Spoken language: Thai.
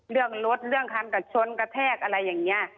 เรื่องรถเรื่องคันกับชนกระแทกอะไรอย่างนี้